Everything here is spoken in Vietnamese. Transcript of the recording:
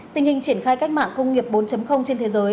tình hình triển khai cách mạng công nghiệp bốn trên thế giới